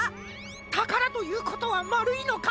たからということはまるいのか？